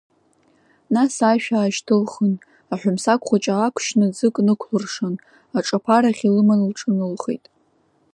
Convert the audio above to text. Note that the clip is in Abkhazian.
Нас аишәа аашьҭылхын, аҳәымсаг хәыҷ аақәшьны ӡык нықәлыршан, аҿаԥарахь илыман лҿыналхеит.